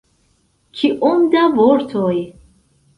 Kiom da vortoj?